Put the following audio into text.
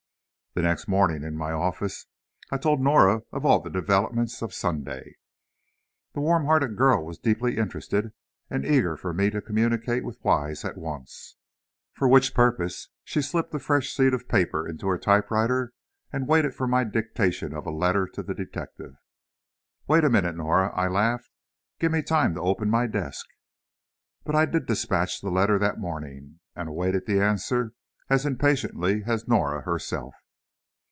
The next morning, in my office, I told Norah of all the developments of Sunday. The warm hearted girl was deeply interested, and eager for me to communicate with Wise at once, for which purpose she slipped a fresh sheet of paper in her typewriter, and waited for my dictation of a letter to the detective. "Wait a minute, Norah," I laughed; "give me time to open my desk!" But I did dispatch the letter that morning, and awaited the answer as impatiently as Norah herself.